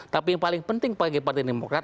tapi yang paling penting bagi partai demokrat